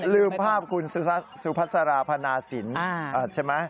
ลืมภาพคุณสุพัสราพนาศิลป์ใช่ไหม